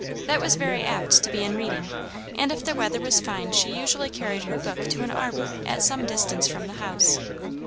That was very apt to be in reading, and if the weather was fine she usually carried her book to an arbor at some distance from the house.